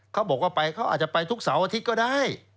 เขาบอกว่าไปเขาอาจจะไปทุกเสาร์อาทิตย์ก็ได้